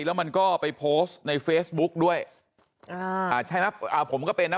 แล้วมันก็ไปโพสต์ในเฟซบุ๊กด้วยอ่าอ่าใช่ไหมอ่าผมก็เป็นนะ